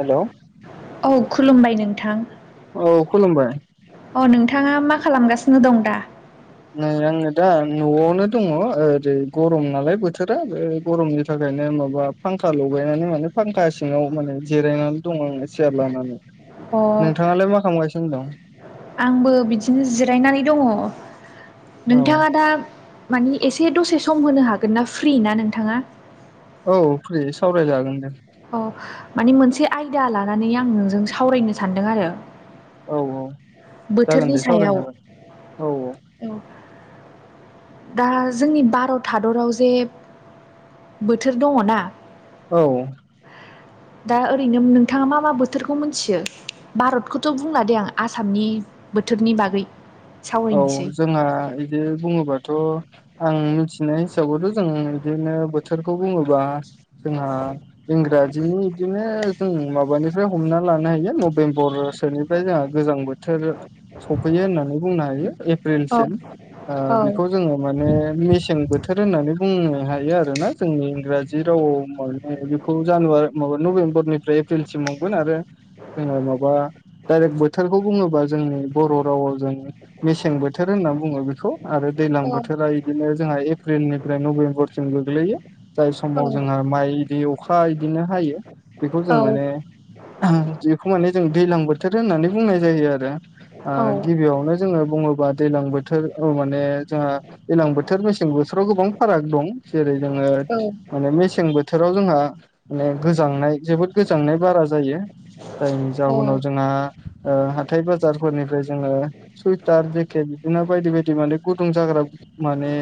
हेल' औ खुलुमबाय नोंथां औ खुलुमबाय अ नोंथाङा मा खालामगासिनो दं दा नै आङो दा न'आवनो दङ ओरै गरम नालाय बोथोरा बे गरमनि थाखाय बेदिनो माबा फांखा लगायनानै माने फांखा सिङांव माने जिरायनानै दं आंङो सियार लानानै अ नोंथांङालाय मा खालामगासिनो दं। आंबो बिदिनो जिरायनानै दंङो औ नोंथाङा दा मानि एसे दसे सम होनो हागोन ना फ्रि ना नोंथांङा औ फ्रि सावरायजागोन दों औ माने मोनसे आयदा लानानै आं नोंजों सावरायनो सानदों आरो। औ औ बोथोरनि जागोन दे सायाव सावरायनो हागोन औ औ दा जोंनि भारत हादराव जे बोथोर दंङो ना। औ [inaudible] दा ओरैनो नोंथांङा मा मा बोथोरखौ मिथियो भारतखौथ' बुंला दे आं आसामनि बोथोरनि बागै औ सावरायनोसै जोंहा बिदि बुंङोबाथ' आं मि थिनाय हिसाबैथ' जों बिदिनो बोथोरखौ बुङोबा जोंहा इंराजिनि बिदिनो जों माबानिफ्राय हमना लानो हायो नभेम्बर बोसोरनिफ्राय जोंहा गोजां बोथोर सफैयो होननानै बुंनो औ हायो औ बेखौ जों बोथोर होननानैनो हायो आरोना जोंनि इंराजि रावा जानुवारि नभेम्बरनिफ्राय एप्रिलसिम हागोन आरो। जोंङो माबा दायरेक्ट बोथोरखौ बुंङोबा जोंनि बर' रावाव जों मेसें बोथोर होनना बुंङो बेखौ आरो दैलां औ बोथोरा बिदिनो जोंहा एप्रिलनिफ्राय नभेम्बरसिम गोग्लैयो जाय समाव औ जोंहा माइ बिदि अखा इदिनो हायो। बेखौ औ जों माने बेखौ माने जों दैलां बोथोर होननानै बुंनाय जायो आरो गिबियावनो बुंङोबा दैलां बोथोर माने जोंहा दैलां बोथोर मेसें बोथोराव गोबां फाराग दं जेरै जोंङो मेसें बोथोराव जों गोजांनाय जोबोद बारा जायो जायनि जाउनाव जोंहा हाथाय बाजार फोरनिफ्राय जोंङो सुइटार जेकेट बिदिनो बायदि बायदि माने गुदुं जाग्रा माने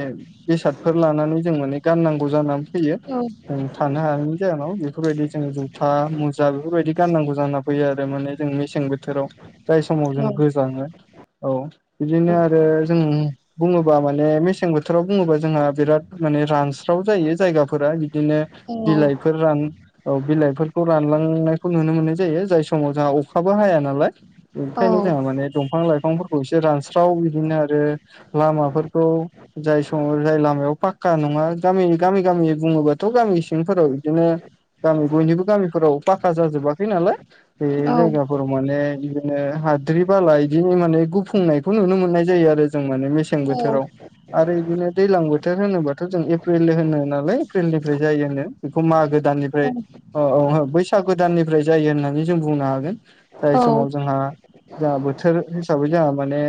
बेसादफोर लानानै जों माने गाननांगौ जानानै फैयो जों थानो हायनि जाहोनाव बेफोरबायदि जुथा मुजा बेफोरबायदि गाननांगौ जाना फैयो आरो माने जों मसें बोथोराव जाय समाव जों गोजांङो औ बिदिनो आरो जों बुंङोबा माने मेसें बोथोराव बुंङोबा जोंहा बिराद माने रानस्रां जायो जायगाफोरा बिदिनो बिलाइ औ बिलाइफोरखौ रानलांनायखौ नुनो। मोननाय ज जाय समाव जों अखाबो हाया नालाय बेखायनो जों दफां लाइफां रानसाव बिदिनो आरो लामाफोरखौ जाय समाव जाय लामायाव फाक्का नंङा। गामि गामि गामि बुंङोबाथ' गामि सिंफोराव बिदिनो गामि बयनिबो गामिफोराव पाखका जाजोबाखै नालाय बे जायगाफोराव माने बिदिनो हाद्रि बाला बिदिनो माने गुफुंनायखौ नुनो मोननाय जायो आरो जों माने मेसें बोथोराव आरो बिदिनो दैलां बोथोर होनोबाथ' जों एप्रिल होनो नालाय एप्रिलनिफ्राय जायो होनो बेखौ मागो दाननिफ्राय औ औ बैसागो दाननिफ्राय जायो होननानै जों बुंनो हागोन जाय समाव जोंहा जोंहा बोथोर हिसाबै जोंहा माने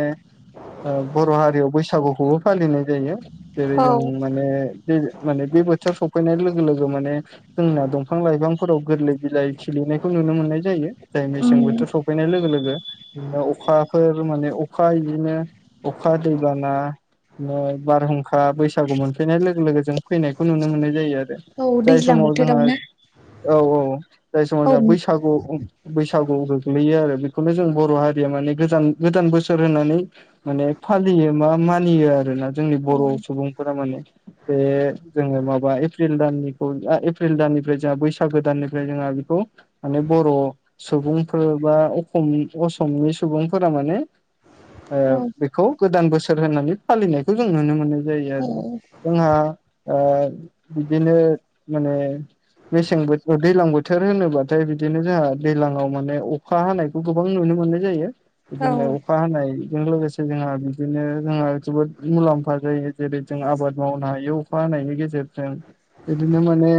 बर' हारियाव बैसागुखौबो फालिनाय जायो जेरै जों माने माने बे बोथोर सफैनाय लोगो लोगो माने जोंना दंफां लाइफांफोराव गोरलै बिलाइ खिलिनायखौ नुनो मोननाय जायो जाय मेसें बोथोर सफैनाय लोगो लोगो अखाफोर माने अखा बिदिनो अखा दै बाना बारहुंखा बैसागु मोनफैनाय लोगो लोगो जों फैनायखौ नुनो मोननाय जायो आरो जाय समाव जोंहा बोथोरावनो औ औ जाय समाव जोंहा बैसागु बैसागु गोग्लैयो आरो बेखौनो जों बर' हारिया माने गोजान गोदान बोसोर सोर होनानै माने फालियो बा मानियो आरोना जोंनि बर' सुबुंफोरा माने बे जोङो माबा एप्रिल दाननि एप्रिल दाननिफ्राय जोंहा बैसागो दाननिफ्राय जोंहा बेखौ माने बर' सुबुंफोर बा अखम असमनि सुबुंफोरा माने ओ औ, बेखौ गोदान बोसोर होननानै फालिनायखौ जों नुनो मोनो जायो आरो जोंहा ओ बिदिनो माने मेसें बोथ ओ दैलां बोथ बोथोर होनोब्लाथाय बिदिनो जोंहा दैलाङाव माने अखा हानायखौ गोबां नुनो मोननाय जायो बिदिनो औ हानायजों लोगोसे जोंहा बिदिनो जोंहा जोबोद मुलामफा जायो जेरै जों आबाद मावनाय बे अखा हानायनि गेजेरजों बिदिनो माने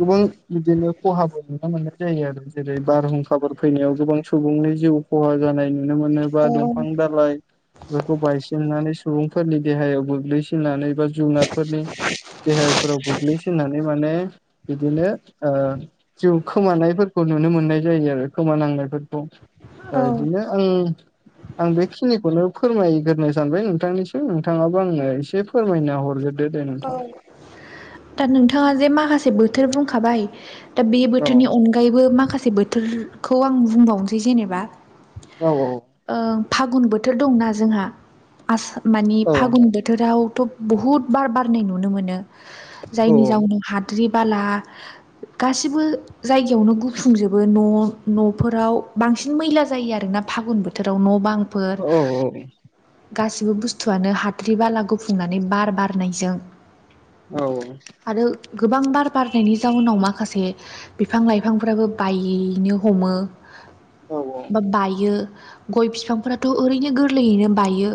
गोबां बिदिनो ख'हाबो नुनो मोननाय जायो आरो जेरै बारहुंखाफोर फैनायाव गोबां सुबुंनि जिउ ख'हा जानाय नुनो मोनोबा दंफां दालाइ बेफोरखौ बायसिननानै सुबुंफोरनि देहायाव गोग्लैसोनानै एबा जुनारफोरनि देहाफोराव गोग्लैसिननानै माने बिदिनो ओ जिउ खोमानायफोरखौ नुनो मोनो नाय जायो आरो खोमानांनायफोरखौ ओ औ, बिदिनो आं आं बेखिनिखौनो फोरमायग्रोनो सानबाय नोंथांनिसिम नोंथाङाबा आंनो एसे फोरमायना हरग्रोदो दे औ. नोंथां से बोथोर बुंखाबाय दा बे औ बोथोरनि अनगायैबो माखासे से बोथोरखौ आं बुंबावनोसै जेनेबा औ औ ओ फागुन बोथोर दंना जोंहा आसा माने औ फागुन बोथोराव थ' बुहुत बार बारनै नुनो मोनो औ जायनि जाउनाव हाद्रि बाला गासिबो जायगायावनो गुफुंजोबो न' न'फोराव बांसिन मैला जायो आरोना फागुन बोथोराव न' बांफोर औ गासिबो बुसथुयानो हा द्रि बाला गुफुंनानै बार बारनायजों औ औ आरो गोबां बार बारनायनि जाउनाव माखासे बिफां लाइफांफोराबो बायनो ह'मो औ बा बायो गय बिफांफोराथ' ओरैनो गोरलैयैनो बायो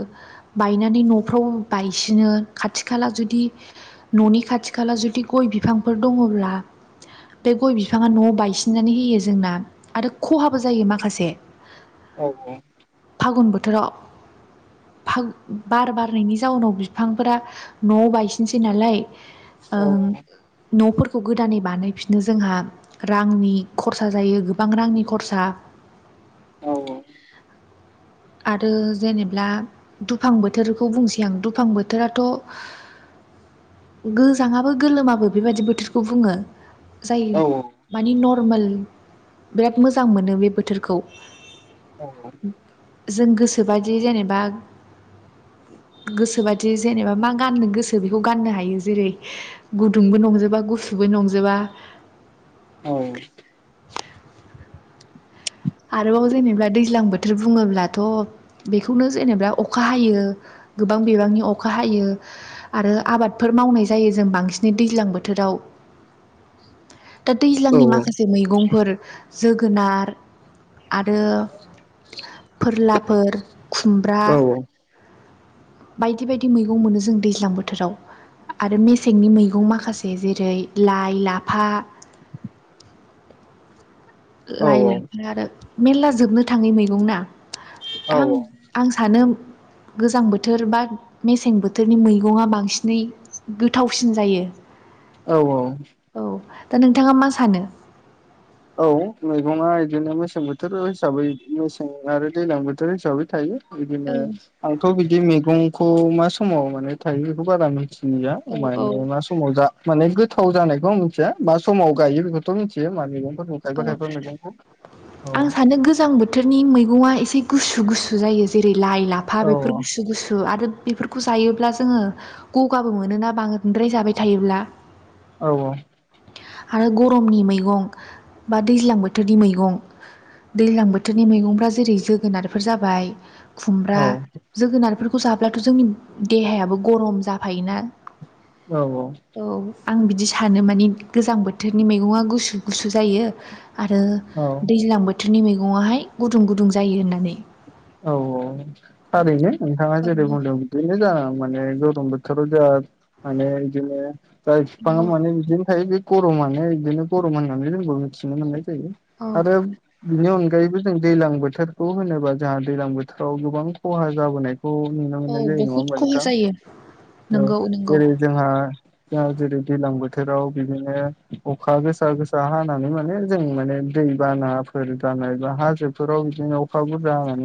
बायनानै न' फ्राव बायसिनो खाथि खाला जुदि न'नि खाथि खाला जुदि गय बिफांफोर दङ ब्ला बे गय बिफाङा न'आव बायसिननानै होयो जोंना आरो ख'हाबो जायो माखासे औ औ फागुन बोथोराव बार बार नायनि जाउनाव बिफांफोरा न'आव बायसिनसै नालाय ओम न'फोरखौ गोदानै बानायफिनो जोंहा रांनि खरसा जायो गोबां रांनि खरसा [inaudible] औ औ आरो जेनेब्ला दुफां बोथोरखौ बुंसै आं दुफां बोथोराथ' गोजाङाबो गोलोमाबो बेबायदि बोथोरखौ बुङो जाय औ माने नरमेल बिराद मोजां मोनो बे बोथोरखौ औ नंगौ जों गोसोबादि जेनेबा गोसोबादि जेनेबा मा गाननो गोसो बेखौ गाननो हायो जेरै गुदुंबो नंजोबा गुसु बो नंजोबा औ आरोबाव जेनेबा दैज्लां बोथोर बुङोब्लाथ' बेखौनो जेनेबा अख खा हायो गोबां बिबांनि अखा हायो आरो आबादफोर मावनाय जायो। जों बांसिनै दैज्लां बोथोराव दा दैज्लांनि औ माखासे मैगंफोर जोगोनार आरो फोरलाफोर खुमब्रा बायदि बायदि मैगं मोनो जों दैज्लां बोथोराव आरो मेसेंनि मैगं माखासे जेरै लाइ - लाफा [inaudible] औ लाइ लाफा आरो मेरला जोबनो थांङै मैगं ना औ आं औ आं सानो गोजां बोथोर बा मेसें बोथोरनि मैगंया बांसिनै गोथावसिन जायो। औ औ औ दा नोंथांङा मा सानो? औ मैगंया बिदिनो मेसें बोथोर हिसाबै मेसें आरो दैज्लां बोथोर हिसाबै थायो। बिदिनो आंथ' बिदि मैगंखौ मा समाव माने थायो बेखौ बारा मिथि या औ औ माने मा समाव जा माने गोथाव जानायखौ मिथिया बा समाव गायो बेखौथ' मिथियो माने औ आं सानो गोजां बोथोरनि मैगं एसे गुसु गुसु जायो जेरै लाइ लाफा औ बेफोर गुसु गुसु आरो बेफोरखौ जायोब्ला जोंङो गगाबो मोनोना बांद्राय जाबाय थायोब्ला औ औ आरो गरमनि मैगं बा दैज्लां बोथोरनि मैगं दैज्लां बोथोरनि मैगंफ्रा जेरै जोगोनारफोर जाबाय। खुमब्रा औ जोगोनारफोरखौ जाब्लाथ' जोंनि देहायाबो गरम जाफायोना औ औ आं बिदि सानो मानिे गोजां बोथोरनि मैगंया गुसु गुसु जायो। आरो औ औ दैज्लां बोथोरनि मैगङाहाय गुदुं गुदुं जायो होननानै औ औ थारैनो नोंथांङा औ जेरै बुंदों बे ज माने गरम बोथोर गोजां बोथोराव बिदिनो औ माने बिदिनो बे गरमानो बिदिनो गरम होननानै जोंबो मिथिनो मोननाय जायो औ आरो बिनि अनगायै अनगायैबो जों दैज्लां बोथोरखौ होनोबा जोंहा दैज्लां बोथोराव गोबां खहा जाबोनाय खौ नुनो औ मोननाय जायो नंङा बहुद होनोमबा खहा नोंथां? जायो औ नंगौ नंगौ जेरै जोंहा जोंहा जेरै दैज्लां बोथोराव बिदिनो अखा गोसा गोसा हानानै माने जों माने दै बानाफोर बानाय बा हाजोफोराव बिदिनो अखा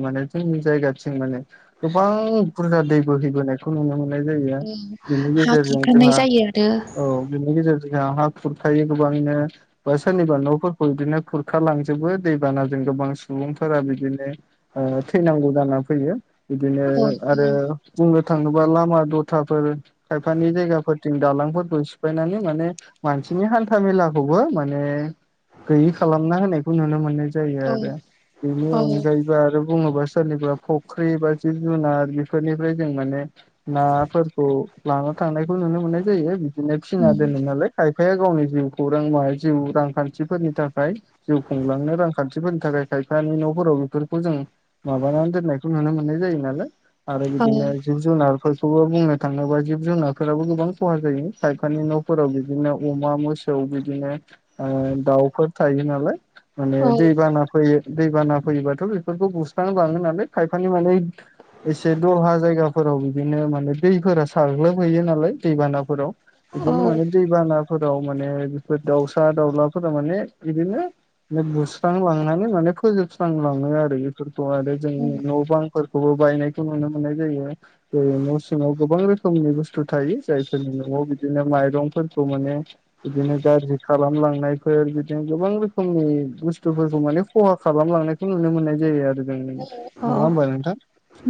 माने जोंनि जायगाथिं माने गोबां बुरजा दै बोहैबोनायखौ नुनो मोनो। औ नि हा गेजेरजों जों खुरखानाय जायो आरो औ गेजेरजों जों हा खुरखायो गोबांनो बा सोरनिबा न'फोरखौ बिदिनो खुरखा लांजोबो दैबानाजों गोबां सुबुंफोरा बिदिनो थैनांगौ जानानै फैयो बिदिनो आरो बुंनो थांङोबा लामा द थाफोर खायफानि जायगाफोरथिं दालांफोरखौ सिफायनानै माने मानसिनि हान्था मेलाखौ माने गैयि खालामना होनायखौ नुनो मोननाय जायो आरो बेनि औ अनगायै आरो बुंङोबा सोरनिबा फुख्रि बा जिब जुनार बेफोरनिफ्राय जों माने नाफोरखौ ला थांनायखौ नुनो मोननाय जायो बिदिनो फिना उम दोनो नालाय खाय गावनि जिउखौ रां जिउ रांखान्थिफोरनि थाखाय जिउ खुंलांनो रांखान्थिफोरनि थाखाय खायफानि न'फोराव बिफोर जों माबानानै दोननायखौ नुनो मोननाय जायो नालाय आरो औ बिदिनो जिब जुनार बेखौबो बुंनो थांङोबा जिब जुनारफोराबो गोबां खहा जायो खायफानि न'फोराव बिदिनो अमा मोसौ मोसौ बिदिनो ओ दाउफोर थायो नालाय माने औ दैबाना फैयो दैबाना फैयोबाथ' बे खौ बुसनानै लांङो नालाय खायफानि माने एसे दलहा जायगाफोराव बिदिनो माने दैफोरा साग्लोबहैयो नालाय दैबानाफोराव औ बिदिनो माने दैबाना फोराव माने बेफोर दाउसा दाउलाफोरा माने बिदिनो बुस्रां लांनानै माने फोजोबस्रांलांङो आरो बेफोरखौ आरो जोंनि न' बांफोरखौबो बायनायखौ नुनो मोननाय जायो जै न' सिङाव गोबां रोखोमनि बुस बुस्थु थायो जायफोरनि न'आव बिदिनो माइरंफोरखौ माने बिदिनो गाज्रि खालामलाङो नायफोर बिदिनो गोबां रोखोमनि बुस्थुफोरखौ माने खहा खालामलांनायखौ नुनो मोननाय जायो आरो जों औ नङा होमबा नोंथां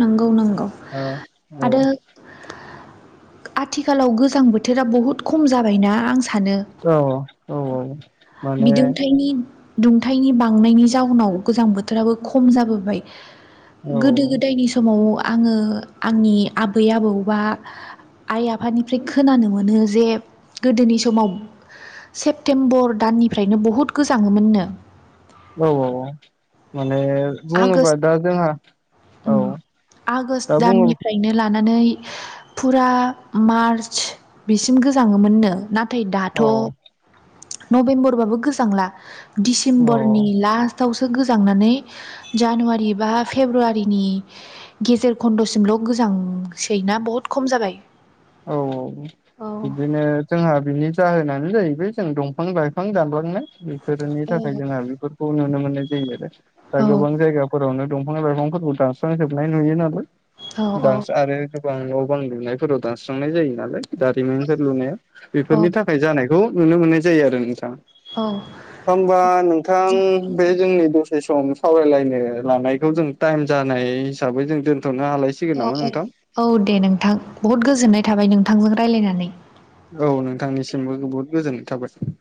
नंगौ नंगौ ओ औ आरो आथिखालाव गोजां बोथोरा बहुत खम जाबायना आं सा औ औ माने बिदुंथाइनि दुंथायनि बांनायनि जाउनाव गोजां बोथोराबो खम जाबोबाय औ गोदो गोदायनि समाव आङो आंनि आबै आबौ बा आइ आफानिफ्राय खोनानो मोनो जे गोदोनि समाव सेप्तेम्बर दाननिफ्रायनो बहुत गोजाङोमोननो औ औ औ माने बुङोबा आगष्ट दा जोंहा औ उम दा बुङोब नानै फुरा मार्च बिसिम गोजाङोमोननो। नाथाय दाथ' औ औ नभेम्बरबाबो गोजांला औ डिसेम्बरनि लास्ट थावसो गोजांनानै जानुवारि बा फेब्रुवारिनि गेजेर खन्द'सिमल' गोजांसै ना बुहुत खम जाबाय औ औ औ बिदिनो जोंहा बिनि जाहोनानो जाहैबाय जों दंफां लाइफां दानलांनाय बेफोरनि थाखाय औ जोंहा बेफोरखौ नुनो मोननाय जायो आरो दा औ गोबां जायगाफोरावनो दंफां लाइफांफोरखौ दानस्रांजोबनाय नुयो नालाय औ दास आरो गोबां न' बां लुनायफोराव दानस्रांनाय जायो नालाय जारिमिनफोर लुनाया औ बेफोरनि थाखाय जानायखौ नुनो मोननाय जायो आरो नोंथां औ होनबा नोंथां बे जोंनि दसे सम सम सावरायलायनो लानायखौ जों टाइम जानाय हिसाबै जों दोन औ औ औ दे नोंथां बुहुद गोजोननाय थाबाय नोंथांजों रायलायनानै। औ नोंथांनिसिमबो बहुद गोजोननाय थाबाय।